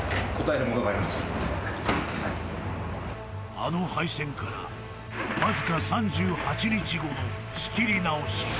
［あの敗戦からわずか３８日後の仕切り直し］